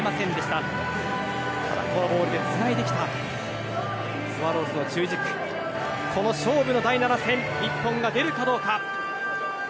ただフォアボールでつないできたスワローズの中軸この勝負の第７戦一本が出るかどうか。